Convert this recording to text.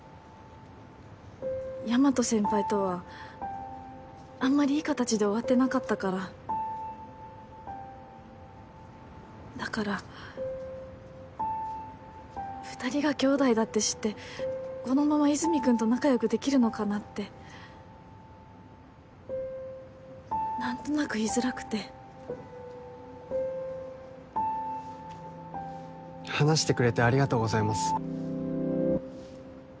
大和先輩とはあんまりいい形で終わってなかったからだから二人が兄弟だって知ってこのまま和泉君と仲よくできるのかなって何となく言いづらくて話してくれてありがとうございます